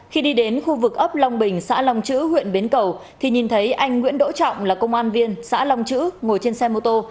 khi đi đến khu vực ấp long bình xã long chữ huyện bến cầu thì nhìn thấy anh nguyễn đỗ trọng là công an viên xã long chữ ngồi trên xe mô tô